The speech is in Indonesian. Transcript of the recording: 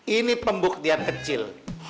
ini pembuktian kecil